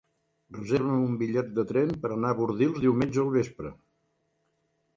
Reserva'm un bitllet de tren per anar a Bordils diumenge al vespre.